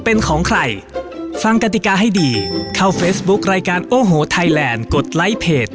โอโหไทยแลนด์